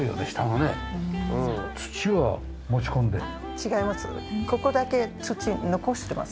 違います。